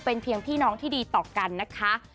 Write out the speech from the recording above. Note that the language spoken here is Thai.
เป็นเพียงพี่น้องที่ดีต่อกันนะคะ